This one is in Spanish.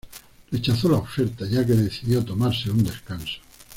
Rechazó la oferta ya que decidió tomarse un descanso.